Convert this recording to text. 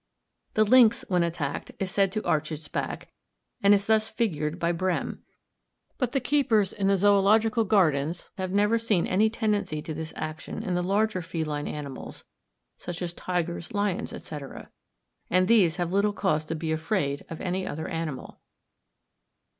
The lynx, when attacked, is said to arch its back, and is thus figured by Brehm. But the keepers in the Zoological Gardens have never seen any tendency to this action in the larger feline animals, such as tigers, lions, &c. and these have little cause to be afraid of any other animal.